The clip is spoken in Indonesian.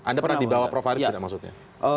anda pernah dibawa prof arief tidak maksudnya